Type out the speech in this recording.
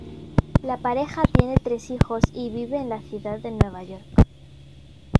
La pareja tiene tres hijos y vive en la ciudad de Nueva York.